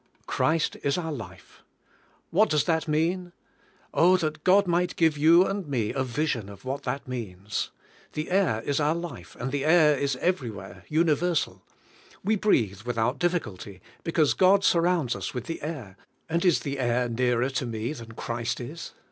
Christ is our life. What does that mean? Oh, that God might give you and me a vision of what that means! The air is our life, and the air is every where, universal. We breathe without difficult}^ because God surrounds us with the air; and is the air nearer to me than Christ is?